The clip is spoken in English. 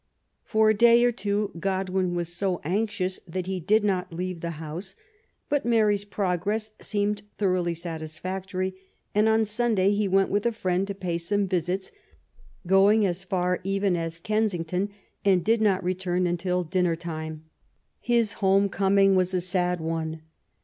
'* For a day or two Godwin was so anxious that he did not leave the house; but Mary's progress seemed thoroughly satisfactory, and on Sunday he went with a friend to pay some visits, going as far even as Ken sington, and did not return until dinner time. His home coming was a sad one.